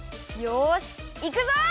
よしいくぞ！